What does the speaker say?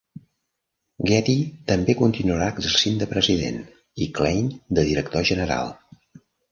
Getty també continuarà exercint de president i Klein de director general.